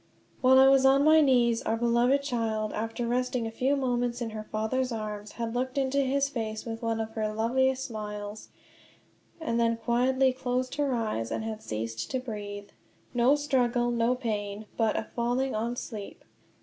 While I was on my knees our beloved child, after resting a few moments in her father's arms, had looked into his face with one of her loveliest smiles, and then quietly closed her eyes and had ceased to breathe. No struggle, no pain, but a "falling on sleep."